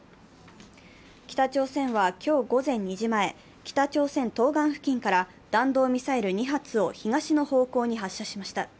北朝鮮は今日午前２時前、北朝鮮東岸付近から弾道ミサイル２発を東の方向に発射しました。